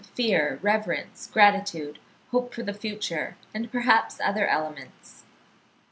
fear, reverence, gratitude, hope for the future, and perhaps other elements.